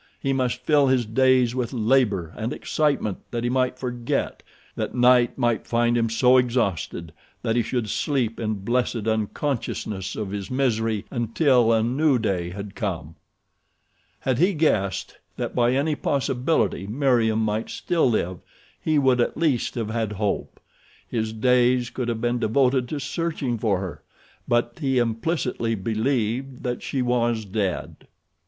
He must fill his days with labor and excitement that he might forget—that night might find him so exhausted that he should sleep in blessed unconsciousness of his misery until a new day had come. Had he guessed that by any possibility Meriem might still live he would at least have had hope. His days could have been devoted to searching for her; but he implicitly believed that she was dead.